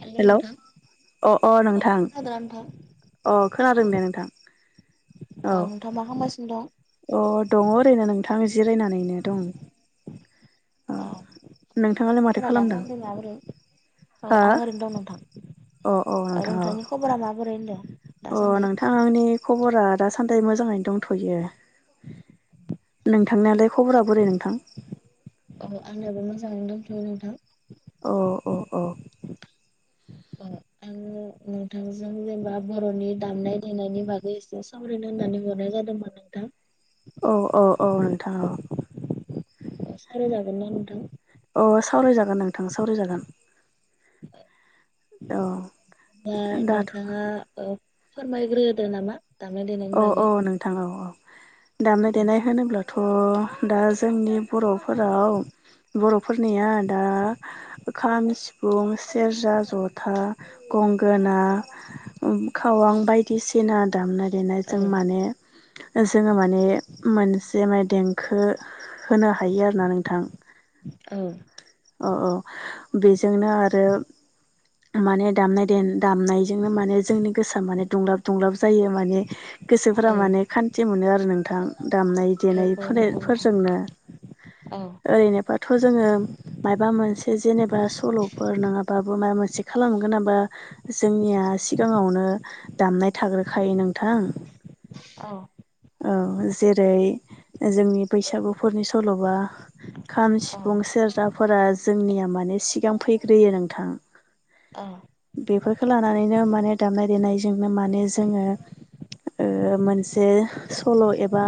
हेल' hello नोंथां अ अ नोंथां खोनादोंना खोनायाखै अ खोनादों दे नोंथां औ नोंथाङा मा खालामगासिनो दं अ दङ ओरैनो नोंथां जिरायनानैनो दं अ [unintelligible] नोंथाङालाय माथो खालामदों औ हो आं ओरैनो दं नोंथां अ अ औ नोंथां नोंथांनि खबरा माबोरै होनदों अ दासान्दि नोंथांनि खबरा दासान्दि मोजाङैनो दंथ'यो नोंथांनिलाय खबरा बोरै नोंथां अ आंनाबो मोजाङैनो दंथ'यो नोंथां अ अ अ औ आंङो नोंथांजों जेनेबा बर'नि दामनाय देनायनि बागै एसे सावरायनो होननानै हरनाय जादोंमोन। आथा औ औ औ नोंथां औ सावराय जागोन ना नोंथां अ सावरायजागोन नोंथां सावरायजागोन औ दा दाथ' नोंथांङा ओ फोरमायग्रोदो नामा? दामनाय देनायनि औ औ बागै नोंथां औ औ दामनाय औ देनाय होनोब्ला थ' दा जोंनि बर'फोराव औ बर'फोरनिया दा खाम सिफुं सेरजा ज'था गंगोना खावां बायदिसिना दामनाय बेनो औ जों माने जोंङो माने मोनसे माने देंखो होनो हायो आरोना नोंथां औ औ औ बेजोंनो आरो माने दामनाय दे दामनाय बिनो माने जोंनि गोसोआ माने दुंलाब दुंलाब जायो माने गोसोफोरा औ माने खान थि मोनो आरो नोंथां दामनाय देनाय औ औ नंगौ नोंथां फोलेर-फोरजोंनो औ ओरैनो थ' जोंङो। माबा मोनसे जेनेबा सल'फोर नङाबाबो माबा मोनसे खालामनो गोनांबा जोंनिया सिगांङावनो दामनाय थाग्रोखायो नोंथां औ औ जेरै जोंनि बैसागुफोरनि सल'बा खाम औ सिफुं सेरजाफोरा जोंनिया माने सिगां फैग्रोयो नोंथां औ बेफोरखौ लानानैनो माने दामनाय देनायजोंनो माने जोंङो ओ मोनसे सल' एब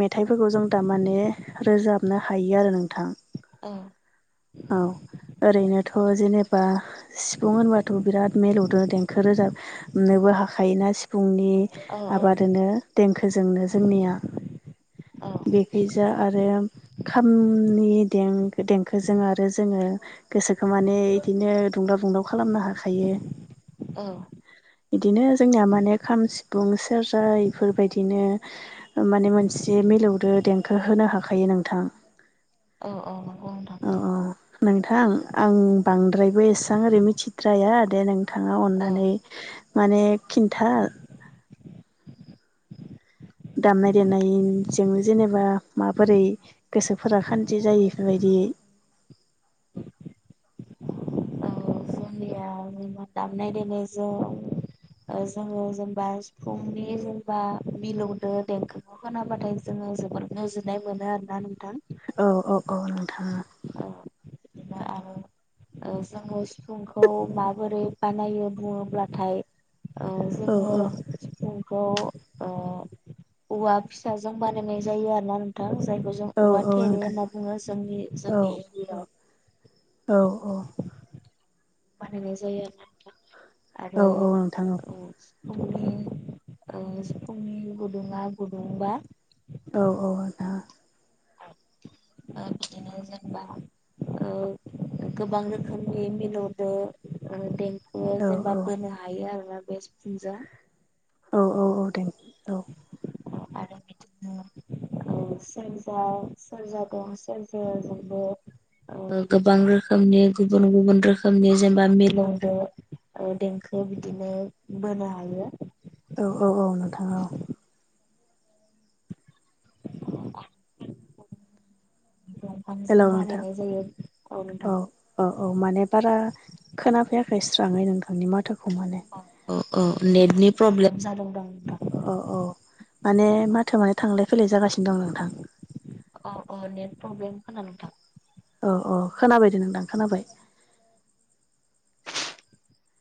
मेथाइफोरखौ जों दा माने रोजाबनो हायो आरो नोंथां। औ। औ ओरैनोथ' जेनेबा। सिफुं होनबाथ' बिराद मिलौदो देंखो रोजाबनोबो हाखायोना सि फुंनि औ आबादोनो देंखोजोंनो जोंनिया। औ बेखिजा आरो खामनि दें देंखो जों आरो जोङो गोसोखौ माने इदिनो दुंदाव बुंदाव खालामनो हाखायो। औ। इदिनो जोंनिया माने खाम सिफुं सेरजा इफोरबायदिनो। माने मोनसे मिलौदो देंखो होनो हाखायो नोंथां। औ औ औ नंगौ नोंथां। अ अ नोंथां आं बांद्रायबो एसां ओरै मिथिद्राया दे नों थांङा औ अननानै माने खिन्था। दामनाय देनायजों जेनेबा माबोरै। गोसोफोरा खान्थि जायो इफोरबायदि। जिया [unintelligible] दामनाय देनाय जों ओ जोंङो जेनेबा सिफुंनि जेनेबा मिलौदो देंखो खोनाबाथाय जोंङो जोबोद गोजोननाय मोनो आरोना नोंथां। औ औ औ नोंथां [unintelligible] ओ जोंङो सिफुंखौ माबोरै बानायो बुंङोब्लाथाय। औ जोंङो सिफुं खौ ओ औवा फिसाजों बानायनाय जायो आरोना नों थां जायखौ जों औ औवा औ थेरे नोंथां होनना बुङो जोंनि औ जोंनि एरियायाव। औ औ। बानायनाय जायो औ औ नोंथां आरोना नोंथां आरो औ फुंनि ओ सिफुंनि गुदुङा गुदुंबा। औ औ नोंथां। ओ बिदिनो जेनेबा। ओ गोबां रोखोमनि मिलौदोें दें ओ औ जेनेबा बोनो हायो आरोना बे सिफुंजों। औ औ औ दे औ। ओ आरो बिदिनो औ सोरनि जा सेरजादों सेरजाया जोंबो ओ गोबां रोखोमनि गुबुन गुबुन रोखोमनि जेनेबा मि लौदो ओ देंखो बिदिनो बोनो हायो। औ औ औ नोंथां औ। [unintelligible] दंफांजों हेल' बानायनाय जायो औ नोंथां। अ औ माने बारा खोनाफैयाखै स्राङै नोंथांनि माथाखौ माने। ओ ओ नेटनि प्रब्लेम जादोंदां नोंथां। अ औ माने माथोआ माने थांलाय फैलाय जागासिनो दं नोंथां। अ अ नेट प्रब्लेमखोना नोंथां। औ औ खोनाबायदे नोंथां खोनाबाय।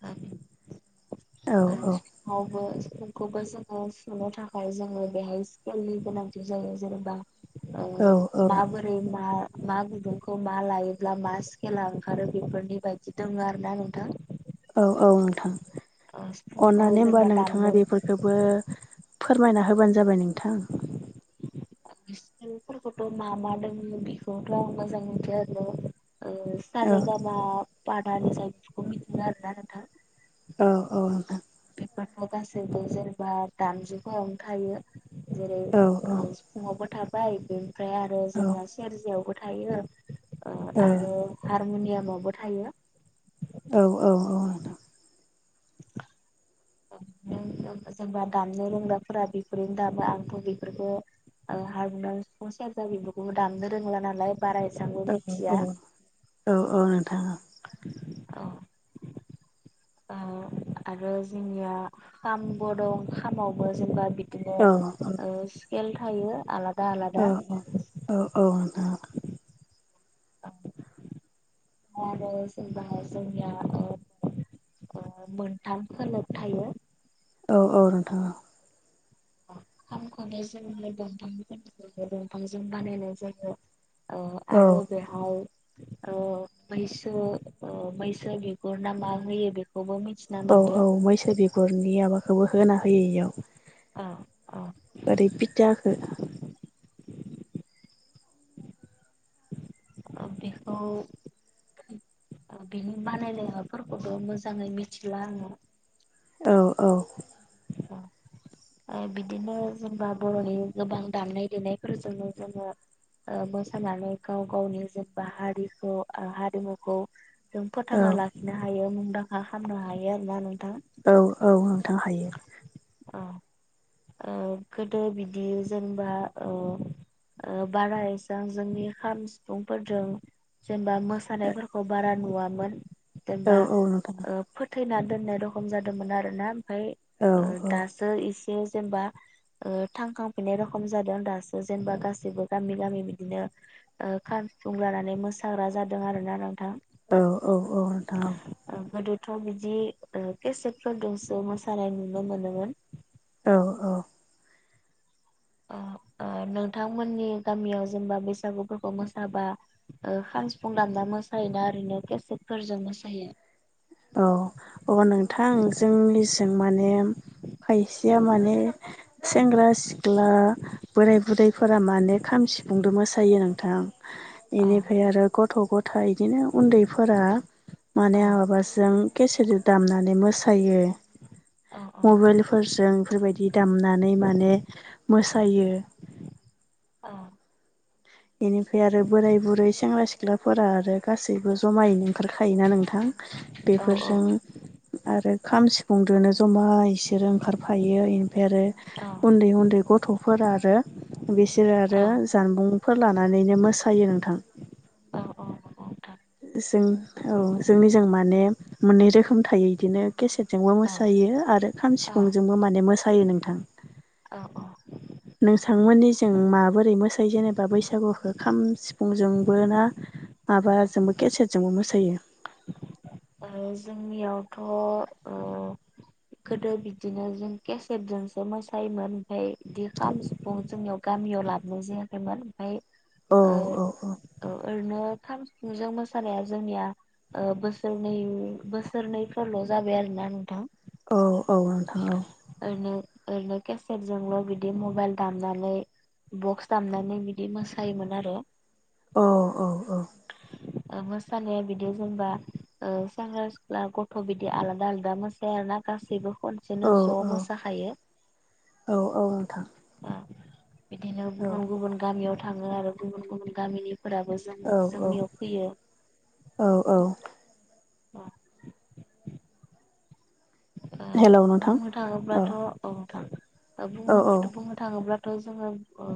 ओ बि औ ओ औ सिफुंआवबो सिफुं खौबो जोङो सुनो थाखाय जोङो बेहाय स्किलनि गोनांथि जायो जेनेबा। औ ओ औ माबो बे मा मा गुदुंखौ मा लायोब्ला मा स्केला ओंखारो बेफोरनि बायदि दोङो आरोना नोंथां। औ औ नोंथां सिफुंखौ अननानै होमबा जेनेबा नोंथाङा दामनो बेफोर खौबो फोरमायना होबानो जाबाय नोंथां। सिफुंफोरखौथ' मा मा दोंङो बेखौथ' आं मोजां मोनथिया आरोना ओ औ सारे गामा फादानिसा बेफोरखौ मिथियो आरोना नोंथां। औ औ। बेफोरथ' गासैबो जेनेबा दामजुफोरावनो थायो जेरै औ औ। फुङावबो थाबाय बेनिफ्राय आरो औ जोंना सेरजायावबो थायो ओ औ नोंथां आरो हारमुनियामावबो थायो। औ औ औ। [inaudible] नों जेनबा जेनबा दामनो रोंग्राफोरा बेफोरजोंनो दामो आंथ' बेफोरखौ ओ हारमुनियाम, सिफुं, सेरजा, बेफोरखौबो दामनो रोंला नालाय। बारा इसांबो मिथिया। औ औ नोंथां औ ओ आरो जोंनिया खामबो दं खामावबो जेनबा बिदिनो औ औ। ओ स्केल थायो आलाद औ औ औ औ नोंथां औ ओमफ्राय आरो जेनबाहाय जोंनियाव ओ ओ मोनथाम खोलोब थायो। औ औ नोंथां औ ओ खामखौनो जों दंफांनिफ्रायनो दंफांजों बानायनाय जायो। ओं औ आरो बेहाय ओं मैसो ओं मैसो बिगुर ना मा होयो बेखौबो मिथि औ औ मैसो बिगुरनि माबाखौबो होना होयो इयाव। औ। औ ओरै फिथाखो ओ बेखौ बिनि बानायनाय माबाफोरखौथ' मोजाङै मिथिला आङो। औ औ। औ। बिदिनो जेनबा बर'नि गोबां दामनाय देनायफोरजोंनो जोङो ओं मोसानानै गाव गावनि जेनेबा हारिखौ हारिमुखौ जों औ फोथांना लाखिनो हायो मुंदांखा खालामनो हायो आरो ना नोंथां। औ औ नोंथां हायो। औ औ गोदो बिदि जेनेबा ओं ओं बारा एसां जोंनि खाम सिफुंफोरजों जेनबा मोसानायफोरखौ बारा नुवामोन औ जेनबा औ नोंथां ओं फोथैना दोननाय रखम जादोंमोन आरोना औ ओमफ्राय औ दासो एसे जेनेबा ओं थांखांफिनाय रखम जादों दासो जेनेबा गासैबो गामि गामि बिदिनो ओं खाम सिफुं लानानै मोसाग्रा जादों आरो ना नोंथां। औ औ औ नोंथां औ। गोदोथ' बिदि ओं केसेटफोरजोंसो मोसानाय नुनो मोनोमोन। औ औ। ओं नोंथांमोननि गामियाव जेनेबा बैसागुफोरखौ मोसाबा ओं खाम सिफुं दामना मोसायोना ओरैनो केसेटफोरजों मोसायो? औ अ नोंथां जोंनिजों माने खायसेया माने सेंग्रा सिख्ला बोराय बुरैफोरा माने खाम सिफुंदों मोसायो नोंथां। औ बेनिफ्राय आरो गथ' गथ इदिनो उन्दैफोरा माने औ आब नानै मोसायो। औ फोरजों बेफोरबायदि दामनानै माने मोसायो औ बेनिफ्राय आरो बोराय बुरै सेंग्रा सिख्ला फोर आरो गासैबो जमायैनो ओंखारखायोना नोंथां बेफोरजों आरो खाम सिफुंजोंनो जमा इसोरो ओंखारफायो इनिफ्राय आरो औ उन्दै उन्दै गथ'फोर आरो बिसोरो आरो औ जानबुंफोर लानानैनो मोसायो नोंथां। औ औ औ नोंथां। जों औ जोंनिजों माने मोननै रोखोम थायो बिदिनो। गेसेटजोंबो औ मोसायो आरो खाम औ सिफुंजोंबो माने मोसायो नोंथां। औ औ नोंथांमोननि जों माबोरै मोसायो जेनेबा बैसागुखौ खाम सिफुंजोंबो ना माबाजोंबो केसेटजोंबो मोसायो। जोंनियावथ' गोदो बिदिनो जों केसेटजोंसो मोसायोमोन ओमफफ्राय बिदि खाम सिफुं जोंनियाव। गामियाव लाबोन जायाखैमोन ओमफफ्राय। औ औ ओरैनो खाम सिफुंजों मोसानाया जोंनिया बोसोर नै बोसोरनैफोरल' जाबाय आरोना नोंथां। औ औ नोंथां। ओरै ओरैनो केसेटजोंल' बिदि मबाइल दामनानै बक्स दामनानै बिदि मोसायोमोन आरो। औ औ औ। लांदां ओ मोसानाया बिदि जेनेबा ओ सेंग्रा सिख्ला गथ' बिदि आलादा आलादा मोसाया आर ना गासैबो बिदिनो औ ज' मोसाहायो औ औ नोंथां ओ बिदिनो औ गुबुन गुबुन गामियाव थाङो आरो गुबुन गुबुन गामिनिफोराबो जों औ जोंनियाव फैयो औ औ अ ओ हेलौ नोंथां बुंनो थाङोब्लाथ' औ नोंथां ओ औ बुंनो औ बुंनो थाङोब्लाथ' जोङो ओ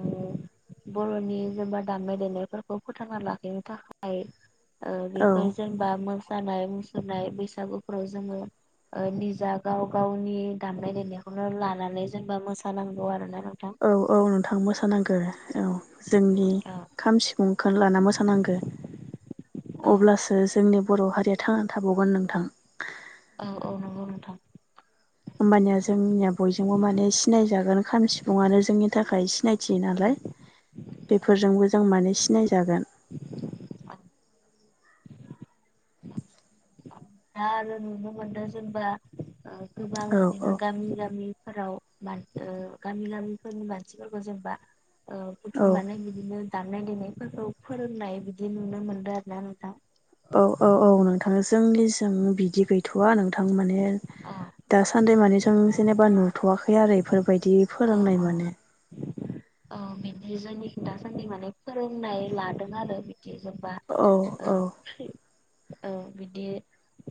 बर'नि जेबा दामनाय देनायफोरखौ फोथांना लाखिनो थाखाय औ बेफोर जेनेबा मोसानाय मुसुरनाय बैसागुफ्राव जोङो ओ निजा गाव गावनि दामनाय देनायखौनो लानानै जेनेबा मोसानांगौ आरोना नोंथां औ औ नोंथां मोसानांगौ औ जोंनि औ खाम सिफुं लाना मोसानांगौ औ अब्लासो जोंनि बर' हारिया थांना थाबावगोन नोंथां औ औ नंगौ नोंथां होमबानिया जोंनिया बयजोंबो माने सिनायजागोन खाम सिफुङानो जोंनि थाखाय सिनाय मिथियो नालाय औ बेफोरजोंबो जों माने सिनायजागोन दा दा आरो नुनो मोनदों जेनबा ओ गोबां औ बिदिनो औ गामि गामिफोराव मान ओ गामि गामिफोरनि मानसिफोरखौ जेनेबा ओ औ बुथुमनानै बिदिनो दामनाय देनायफोरखौ फोरोंनाय बिदि नुनो मोन्दों आरो ना नोंथां औ औ औ नोंथां जोंनि जों बिदि गैथ'वा नोंथां माने औ दास सान्दै मानि जों जेनेबा नुथ'वाखै आरो बेफोर बायदि औ फोरोंनाय औ माने औ मि बिज जोंनि दासान्दि माने फोरोंनाय लादों आरो बिदि जोबा औ औ ओ फ्रि औ बिदि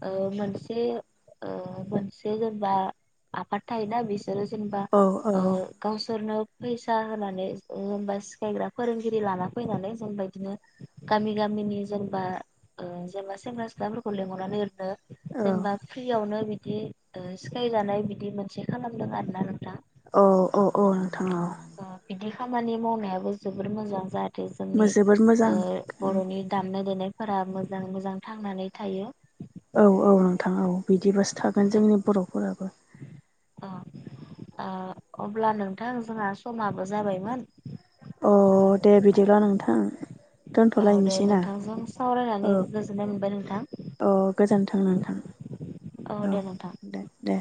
ओ मोनसे ओ मोनसे जेनेबा आफाद थायोना बिस बिसोरो जेनेबा औ ओ गावसोरनो फैसा होनानै ओ होनबा सिखायग्रा फोरोंगिरि लाना फैनानै जेनबा बिदिनो गामि गामिनि जेनेबा ओ जेनेबा सेंग्रा सिख्लाफोरखौ लेंंहरनानै ओरनो जेनेबा फ्रियावनो बिदि ओ सिखायजानाय बिदि मोनसे खालामदों आर ना नोंथां औ औ औ नोंथां औ ओ बिदि खामानि मावनायाबो जोबोर मोजां जाहाथे जोंनि जोबोद मोजां ओ बर'नि दामनाय देनायफोरा मोजाङै मोजां थांनानै थायो औ औ नोंथां औ बिदिबासो थागोन ओ जोंनि बर'फोराबो ओ अ अब्ला नोंथां जोंहा समाबो जाबायमोन अ दे बिदिब्ला नोंथां औ दे दोनथ'लायनोसै ना नोंथांजों सावरायनानै गोजोननाय मोनबाय नोंथां। औ गोजोन्थों नोंथां। औ दे नोंथां। दे दे।